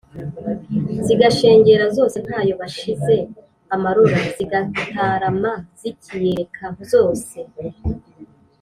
Zigashengera zose nta yo bashize amarora: Zigatarama(zikiyereka)zose